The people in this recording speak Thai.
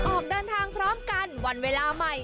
ออกเดินทางพร้อมกันวันเวลาใหม่